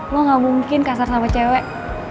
lo gak mungkin kasar sama cewek